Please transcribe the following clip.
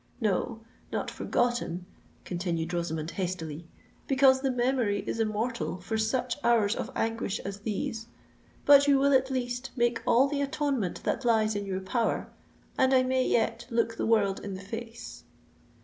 No—not forgotten," continued Rosamond, hastily; "because the memory is immortal for such hours of anguish as these! But you will, at least, make all the atonement that lies in your power—and I may yet look the world in the face!"